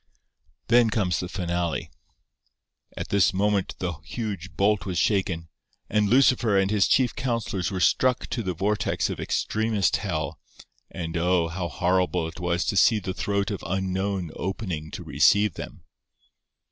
Then comes the finale:— 'At this moment the huge bolt was shaken, and Lucifer and his chief counsellors were struck to the vortex of extremest hell, and oh! how horrible it was to see the throat of Unknown opening to receive them!